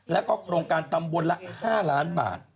แล้วก็โครงการตำบลละ๕ล้านบาท